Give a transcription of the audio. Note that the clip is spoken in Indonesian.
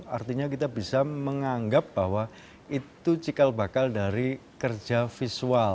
artinya kita bisa menganggap bahwa itu cikal bakal dari kerja visual